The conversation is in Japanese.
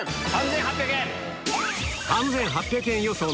３８００円！